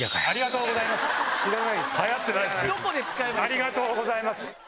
⁉ありがとうございます。